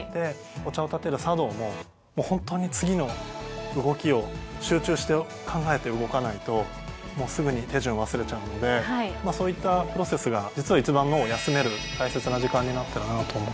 お茶をたてる茶道ももうホントに次の動きを集中して考えて動かないともうすぐに手順忘れちゃうのでまあそういったプロセスが実は一番脳を休める大切な時間になってるなと思ってます。